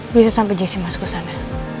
bisa sampai jessi masuk ke sana